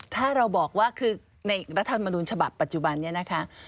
ถ้าเราบอกว่าคือในรัฐธรรมนูญฉบับปัจจุบันนี้นะคะ